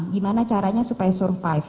gimana caranya supaya survive